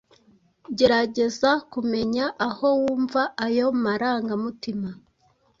gerageza kumenya aho wumva ayo marangamutima